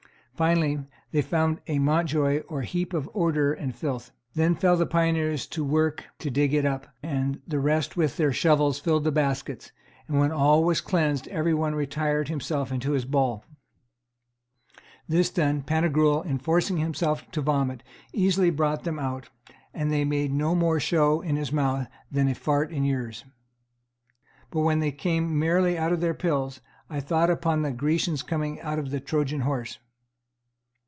Finally, they found a montjoy or heap of ordure and filth. Then fell the pioneers to work to dig it up, and the rest with their shovels filled the baskets; and when all was cleansed every one retired himself into his ball. This done, Pantagruel enforcing himself to vomit, very easily brought them out, and they made no more show in his mouth than a fart in yours. But, when they came merrily out of their pills, I thought upon the Grecians coming out of the Trojan horse.